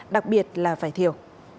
đặc biệt là phải thiểu